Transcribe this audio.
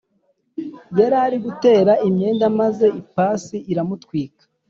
yarari gutera imyenda maze ipasi iramutwika